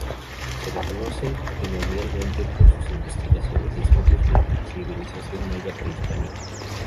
Se le conoce primordialmente por sus investigaciones y estudios de la civilización maya prehispánica.